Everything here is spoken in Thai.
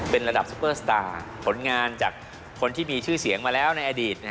เป็นระดับซุปเปอร์สตาร์ผลงานจากคนที่มีชื่อเสียงมาแล้วในอดีต